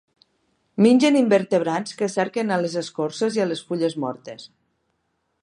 Mengen invertebrats que cerquen a les escorces i a les fulles mortes.